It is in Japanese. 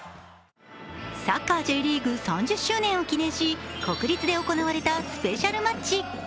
サッカーＪリーグ３０周年を記念し国立で行われたスペシャルマッチ。